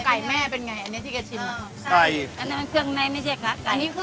ไก่แม่เป็นไงอันนี้ที่เกิดชิม